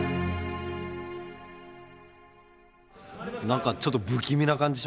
何かちょっと不気味な感じ。